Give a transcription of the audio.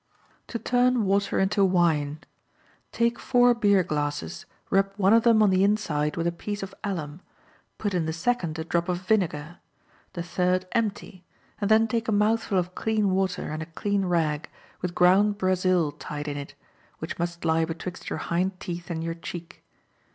To Turn Water into Wine.—Take four beer glasses, rub one of them on the inside with a piece of alum; put in the second a drop of vinegar; the third empty, and then take a mouthful of clean water and a clean rag, with ground brazil tied in it, which must lie betwixt your hind teeth and your cheek.